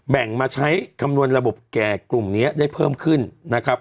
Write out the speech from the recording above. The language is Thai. มาใช้คำนวณระบบแก่กลุ่มนี้ได้เพิ่มขึ้นนะครับ